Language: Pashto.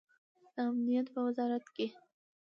د امنیت په وزارت کې